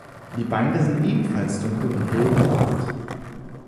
Die Beine sind ebenfalls dunkel und hell behaart.